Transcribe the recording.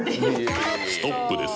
ストップです。